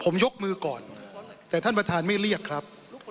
ผมยกมือก่อนแต่ท่านประธานไม่เรียกครับ